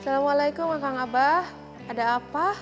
assalamualaikum kang abah ada apa